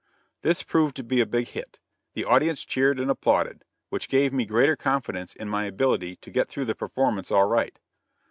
This proved to be a big hit. The audience cheered and applauded; which gave me greater confidence in my ability to get through the performance all right.